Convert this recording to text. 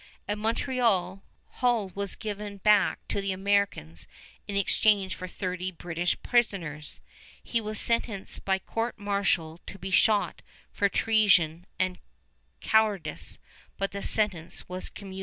At Montreal, Hull was given back to the Americans in exchange for thirty British prisoners. He was sentenced by court martial to be shot for treason and cowardice, but the sentence was commuted.